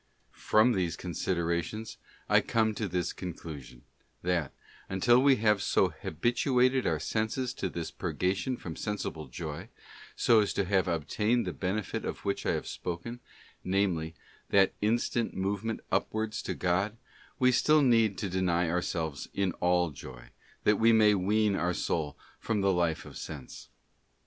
From these considerations I come to this conclusion, that, until we shall have so habituated our senses to this purgation from sensible joy, so as to have obtained the benefit of which I have spoken, namely, that instant movement upwards to God, we still need to deny ourselves in all joy, that we may wean our soul from the life of sense.